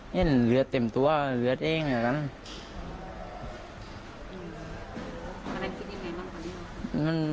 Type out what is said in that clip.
นี่เหลือเต็มตัวเหลือตัวเองเลยนะครับ